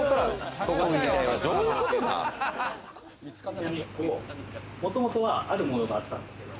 ちなみにここ、もともとはあるものがあったんですよ。